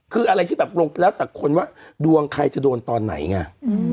คืออะไรที่แบบลงแล้วแต่คนว่าดวงใครจะโดนตอนไหนไง